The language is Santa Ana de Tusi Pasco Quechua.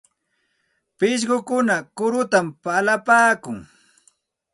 Pishqukuna kurutam palipaakun.